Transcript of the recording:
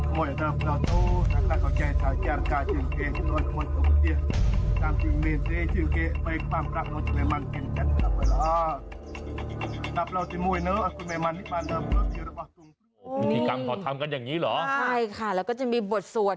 พิธีกรรมเขาทำกันอย่างนี้เหรอใช่ค่ะแล้วก็จะมีบทสวด